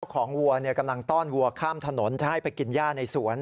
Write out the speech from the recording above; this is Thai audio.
ของวัวกำลังต้อนวัวข้ามถนนจะให้ไปกินย่าในสวน